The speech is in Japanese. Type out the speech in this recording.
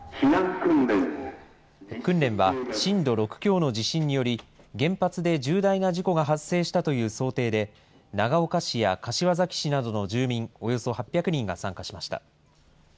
訓練は震度６強の地震により、原発で重大な事故が発生したという想定で、長岡市や柏崎市などの住民およそ８００人が参加しました。